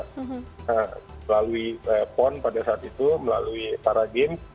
nah melalui pon pada saat itu melalui para games